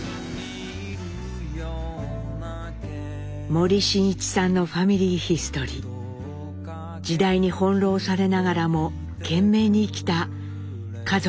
森進一さんの「ファミリーヒストリー」時代に翻弄されながらも懸命に生きた家族の歳月がありました。